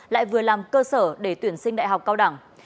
lại vừa làm cơ sở để tuyển sinh đại học cao đẳng